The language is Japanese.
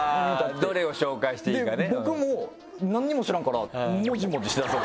どれを紹介していいかね。